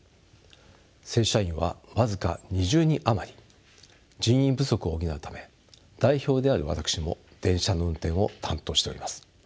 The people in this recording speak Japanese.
正社員は僅か２０人余り人員不足を補うため代表である私も電車の運転を担当しております。